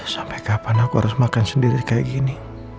sampai kapan aku harus makan sendiri kayak gini